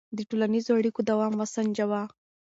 د ټولنیزو اړیکو دوام وسنجوه.